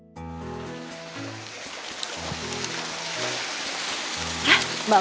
eh siapa mah